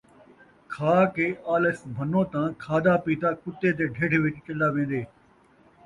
کھا کے آلس بھنّو تاں کھادا پیتا کتّے دے ڈھڈھ ءِچ چلا وین٘دے